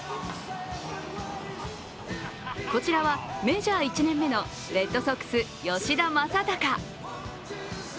こちらはメジャー１年目のレッドソックス・吉田正尚。